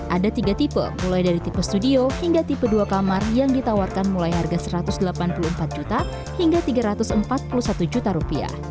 ada tiga tipe mulai dari tipe studio hingga tipe dua kamar yang ditawarkan mulai harga rp satu ratus delapan puluh empat juta hingga rp tiga ratus empat puluh satu juta